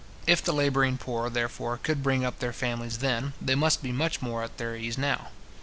If the labouring poor, therefore, could bring up their families then, they must be much more at their ease now.